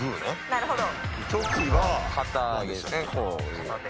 なるほど！